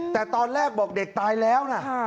แต่ตอนแรกบอกเด็กตายแล้วนะ